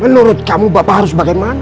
menurut kamu bapak harus bagaimana